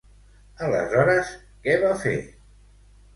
Aleshores, què va fer?